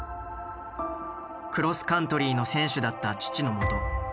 クロスカントリーの選手だった父のもと